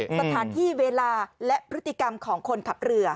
สถานที่เวลาและพฤติกรรมของคนขับเรือ